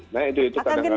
nah itu kadang kadang juga